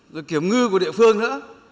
rồi kiểm ngư của địa phương nữa